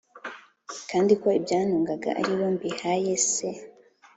Kandi ko ibyantungaga ari bo mbihayese